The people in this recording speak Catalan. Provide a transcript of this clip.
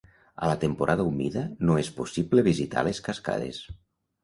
A la temporada humida no és possible visitar les cascades.